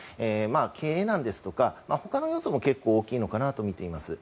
経営難ですとか他の要素も結構大きいのかなとみています。